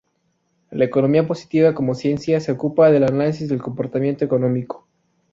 La economía positiva como ciencia, se ocupa del análisis del comportamiento económico.